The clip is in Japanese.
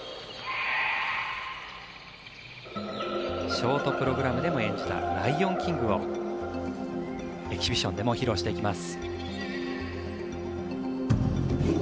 ショートプログラムでも演じた「ライオンキング」をエキシビションでも披露していきます。